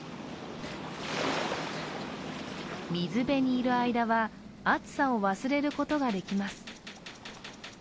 水辺にいる間は、暑さを忘れることができます。